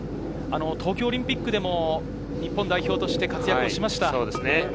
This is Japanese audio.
東京オリンピックでも日本代表として活躍をしました。